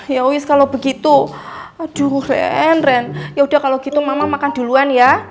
ya wis kalau begitu aduh ren ren ya udah kalau gitu mama makan duluan ya